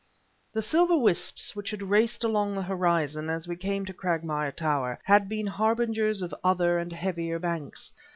The silver wisps which had raced along the horizon, as we came to Cragmire Tower, had been harbingers of other and heavier banks.